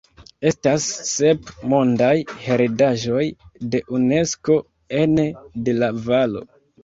Estas sep Mondaj heredaĵoj de Unesko ene de la valo.